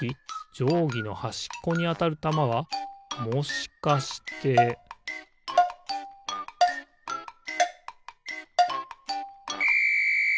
じょうぎのはしっこにあたるたまはもしかしてピッ！